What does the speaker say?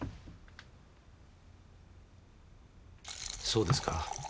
そうですか。